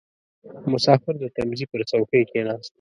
• مسافر د تمځي پر څوکۍ کښېناست.